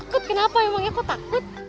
kenapa emangnya aku takut